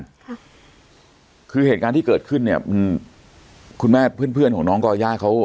ค่ะคือเหตุการณ์ที่เกิดขึ้นเนี้ยอืมคุณแม่เพื่อนเพื่อนของน้องก่อย่าเขา